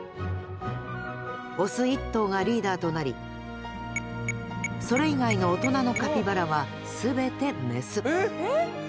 オス１頭がリーダーとなりそれ以外の大人のカピバラは全てメスえっ？